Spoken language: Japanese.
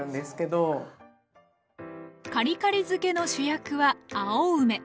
カリカリ漬けの主役は青梅。